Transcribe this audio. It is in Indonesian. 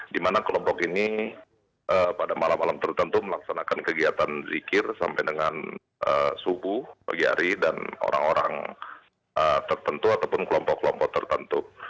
di mana kelompok ini pada malam malam tertentu melaksanakan kegiatan zikir sampai dengan subuh pagi hari dan orang orang tertentu ataupun kelompok kelompok tertentu